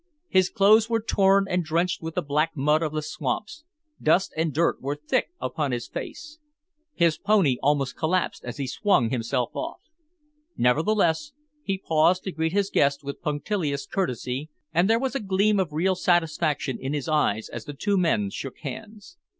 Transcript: His clothes were torn and drenched with the black mud of the swamps, dust and dirt were thick upon his face. His pony almost collapsed as he swung himself off. Nevertheless, he paused to greet his guest with punctilious courtesy, and there was a gleam of real satisfaction in his eyes as the two men shook hands.